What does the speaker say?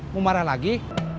mau marah lagi